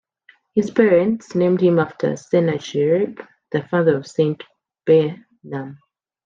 His parents named him after Sennacherib, the father of Saint Behnam.